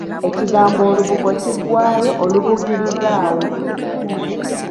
Ekigambo olubugo kiggwaayo Olubugirizaawo.